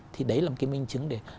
thì đấy là một cái minh chứng để